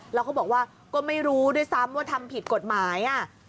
แล้วเขาบอกว่าก็ไม่รู้ด้วยซ้ำว่าทำผิดกฎหมาย